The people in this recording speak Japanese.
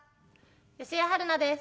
吉江晴菜です。